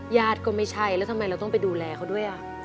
ญาติก็ไม่ใช่แล้วทำไมเราต้องไปดูแลเขาด้วย